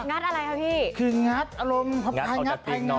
งัดอะไรครับพี่